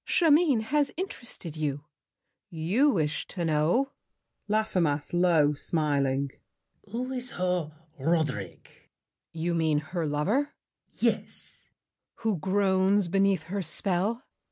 Chimène has interested you. You wish To know— LAFFEMAS (low, smiling). Who is her Roderick? GRACIEUX. You mean Her lover? LAFFEMAS. Yes! GRACIEUX. Who groans beneath her spell?